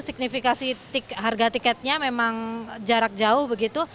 signifikan harga tiketnya memang jarak jauh begitu